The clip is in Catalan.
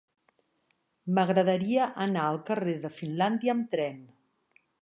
M'agradaria anar al carrer de Finlàndia amb tren.